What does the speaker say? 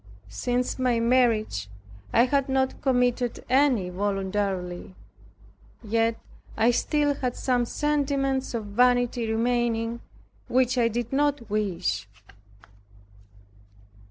Since my marriage I had not committed any voluntarily. Yet I still had some sentiments of vanity remaining, which I did not wish.